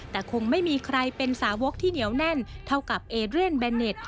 แต่คงไม่มีใครเป็นสาวกที่เหนียวแน่นเท่ากับเอเรียนแบนเน็ต